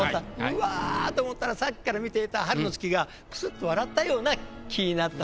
うわっと思ったらさっきから見ていた春の月がくすっと笑ったような気になったと。